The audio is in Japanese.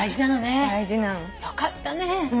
よかったね。